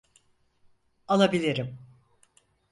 Alabilirim.